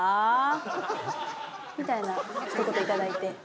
みたいなひと言頂いて。